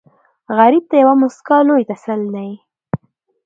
غریب ته یوه موسکا لوی تسل دی